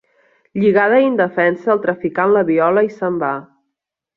Lligada i indefensa, el traficant la viola i se'n va.